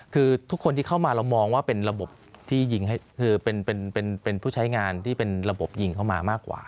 คือทุกคนที่เข้ามาเรามองว่าเป็นระบบที่ยิงคือเป็นผู้ใช้งานที่เป็นระบบยิงเข้ามามากกว่า